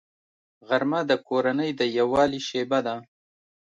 غرمه د کورنۍ د یووالي شیبه ده